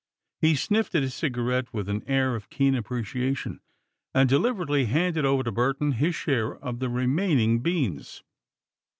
He sniffed at his cigarette with an air of keen appreciation, and deliberately handed over to Burton his share of the remaining beans.